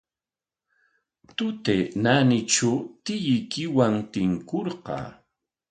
Tutay naanitraw tiyuykiwan tinkurqaa.